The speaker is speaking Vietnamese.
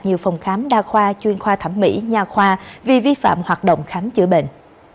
nhiều phòng khám đa khoa chuyên khoa thẩm mỹ nhà khoa vì vi phạm hoạt động khám chữa bệnh